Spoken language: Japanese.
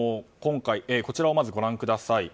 こちら、まずご覧ください。